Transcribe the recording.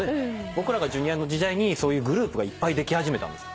僕らがＪｒ．の時代にそういうグループがいっぱいでき始めたんです。